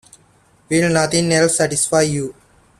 Will nothing else satisfy you?